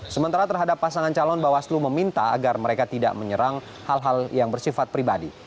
sementara terhadap pasangan calon bawaslu meminta agar mereka tidak menyerang hal hal yang bersifat pribadi